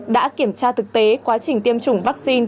đã kiểm tra thực tế quá trình tiêm chủng vaccine